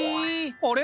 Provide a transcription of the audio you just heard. あれ？